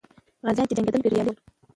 غازیان چې جنګېدل، بریالي سول.